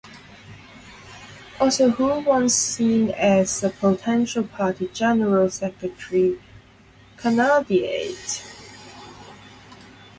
Also Hu Once seen as a potential party general secretary canadiate.